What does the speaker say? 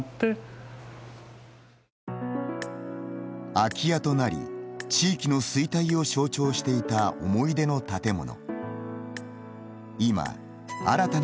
空き家となり地域の衰退を象徴していた思い出の建物。